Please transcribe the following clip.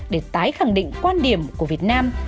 để tái khẳng định quan điểm của việt nam